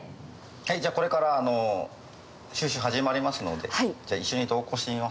はいじゃあこれから収集始まりますので一緒に同行してみますか。